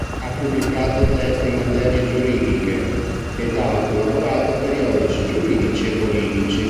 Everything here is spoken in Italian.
Ha pubblicato testi in materie giuridiche ed ha collaborato a periodici giuridici e politici.